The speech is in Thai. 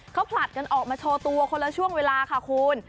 เขาผลัดกันออกมาโชว์ตัวคนละช่วงเวลาค่ะคุณ